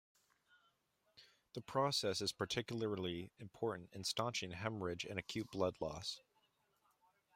The process is particularly important in staunching hemorrhage and acute blood loss.